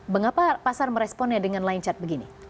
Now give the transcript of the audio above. mengapa pasar meresponnya dengan line chart begini